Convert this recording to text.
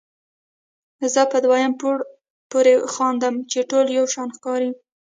زه په دوی پورې خاندم چې ټول یو شان ښکاري.